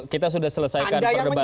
kita sudah selesaikan perdebatan